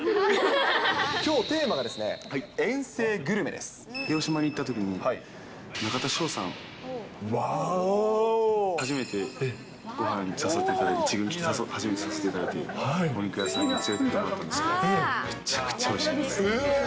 きょうテーマが、遠征グルメ広島に行ったときに、中田翔さんに初めてごはん、１軍来て初めて誘っていただいて、お肉屋さんに連れてってもらったんですけど、めちゃくちゃおいしかったですね。